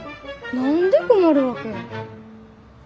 何で困るわけ？